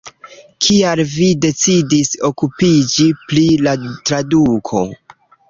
Kial vi decidis okupiĝi pri la traduko?